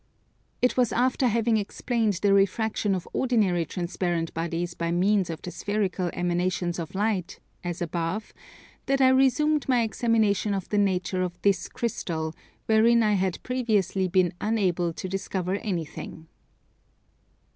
It was after having explained the refraction of ordinary transparent bodies by means of the spherical emanations of light, as above, that I resumed my examination of the nature of this Crystal, wherein I had previously been unable to discover anything.